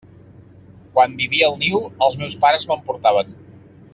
Quan vivia al niu, els meus pares me'n portaven.